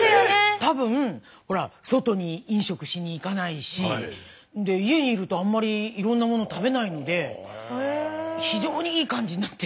多分ほら外に飲食しに行かないし家にいるとあんまりいろんなもの食べないので非常にいい感じになって。